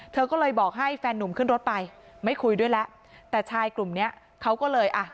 เธอก็เลยบอกให้แฟนนุ่มขึ้นรถไปไม่คุยด้วยแล้วแต่ชายกลุ่มเนี้ยเขาก็เลยอ่ะ